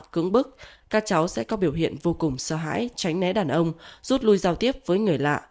cưỡng bức các cháu sẽ có biểu hiện vô cùng sợ hãi tránh né đàn ông rút lui giao tiếp với người lạ